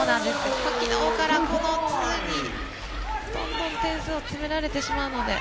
昨日から、どんどん点差を詰められてしまうので。